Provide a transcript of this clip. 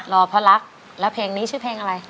รอเพราะรักแล้วเพลงนี้ชื่อเพลงอะไร